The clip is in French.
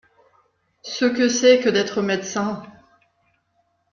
Ce que c’est que d’être médecin…